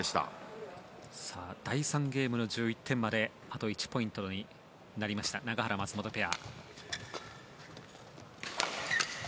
第３ゲームの１１点まであと１ポイントになった永原、松本ペア。